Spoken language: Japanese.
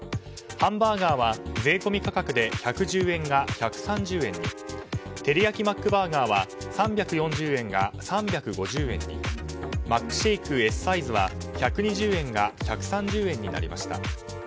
ハンバーガーは、税込み価格で１１０円が１３０円にてりやきマックバーガーは３４０円が３５０円にマックシェイクＳサイズは１２０円が１３０円になりました。